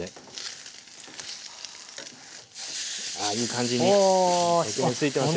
ああいい感じに焼き目ついてますよね。